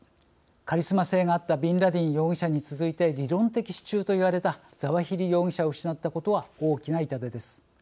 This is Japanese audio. カリスマ性があったビンラディン容疑者に続いて理論的支柱といわれたザワヒリ容疑者を失ったことは大きな痛手です。